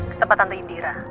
ketempat tante indira